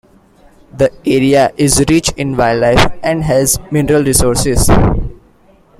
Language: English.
The area is rich in wildlife and has mineral resources.